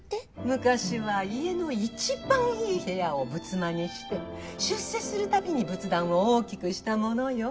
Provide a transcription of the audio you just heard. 昔は家の一番いい部屋を仏間にして出世するたびに仏壇を大きくしたものよ。